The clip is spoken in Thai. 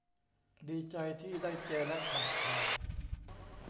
ดีใจที่ได้เจอ และถามไถ่